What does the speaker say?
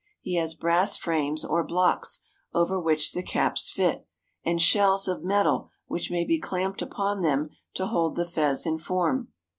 He has brass frames or blocks over which the caps fit, and shells of metal which may be clamped upon them to hold the fez in form.